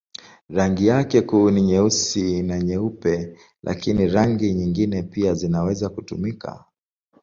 Rangi yake kuu ni nyeusi na nyeupe, lakini rangi nyingine pia zinaweza kutumika.